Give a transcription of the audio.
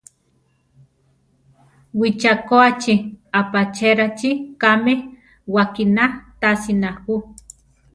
Wichakoáchi, apachérachi kame wakiná tasina ju.